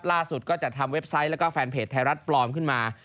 ก็จะทำเว็บไซต์แล้วก็แฟนเพจไทยรัฐปลอมขึ้นมา